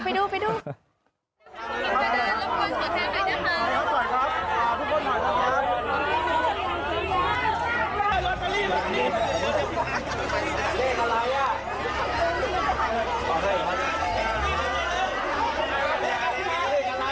สัมนาฬิกา